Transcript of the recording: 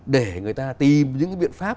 để người ta tìm những cái biện pháp